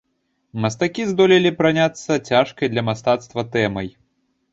Мастакі здолелі праняцца цяжкай для мастацтва тэмай.